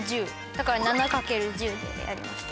だから７×１０でやりました。